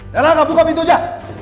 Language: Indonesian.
lelaka buka pintu aja